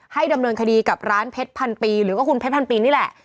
ดำเนินคดีกับร้านเพชรพันปีหรือว่าคุณเพชรพันปีนี่แหละ